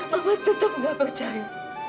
mama tetap gak percaya